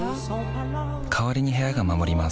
代わりに部屋が守ります